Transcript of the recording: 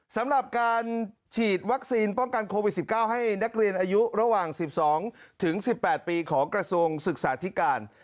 สำหรับการฉีดวัคซีนป้องกันโควิด๑๙ให้นักเรียนอายุระหว่าง๑๒๑๘ปีของกระทรวงศึกษาธิการ